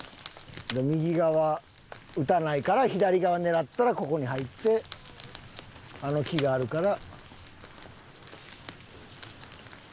右側打たないから左側狙ったらここに入ってあの木があるから。